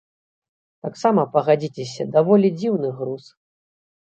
Таксама, пагадзіцеся, даволі дзіўны груз.